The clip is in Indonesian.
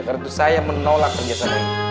karena itu saya menolak kerja saya ini